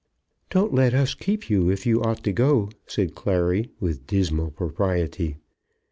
"Don't let us keep you if you ought to go," said Clary, with dismal propriety.